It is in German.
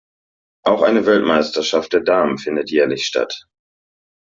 Auch eine Weltmeisterschaft der Damen findet jährlich statt.